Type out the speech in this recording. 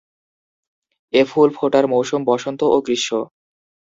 এ ফুল ফোটার মৌসুম বসন্ত ও গ্রীষ্ম।